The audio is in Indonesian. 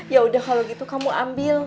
yaudah kalau gitu kamu ambil